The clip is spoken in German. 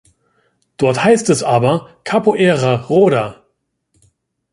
Dort heißt es aber capoeira rhoda.